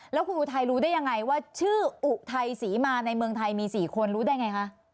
แล้วคุณอุทัยรู้ได้ยังไงว่าชื่ออุทัยศรีมาในเมืองไทยมี๔คนรู้ได้ไงคะ